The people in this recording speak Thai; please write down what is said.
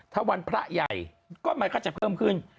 ถ้าวันพระใหญ่ก็มันก็จะเพิ่มขึ้น